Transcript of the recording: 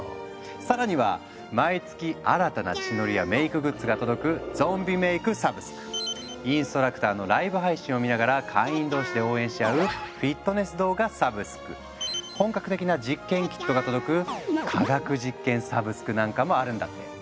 更には毎月新たな血のりやメイクグッズが届くインストラクターのライブ配信を見ながら会員同士で応援し合う本格的な実験キットが届く「科学実験サブスク」なんかもあるんだって。